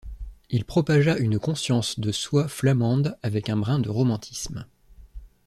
Il propagea une conscience de soi flamande avec un brin de romantisme.